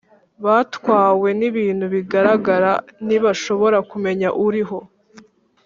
batwawe n’ibintu bigaragara ntibashobora kumenya Uriho,